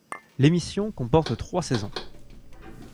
L'émission comporte trois saisons.